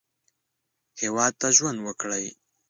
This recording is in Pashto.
هېواد ته ژوند وکړئ